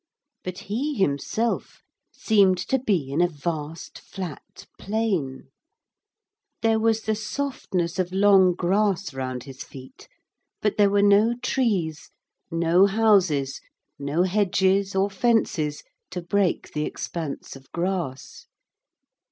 But he himself seemed to be in a vast, flat plain. There was the softness of long grass round his feet, but there were no trees, no houses, no hedges or fences to break the expanse of grass.